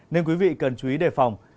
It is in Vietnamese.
nên quý vị cần chú ý đề phòng